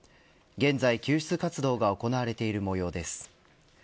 現在救出活動が行われているもようです。